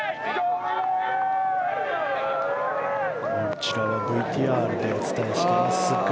こちらはＶＴＲでお伝えしていますが。